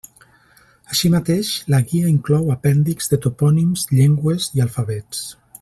Així mateix, la guia inclou apèndixs de topònims, llengües i alfabets.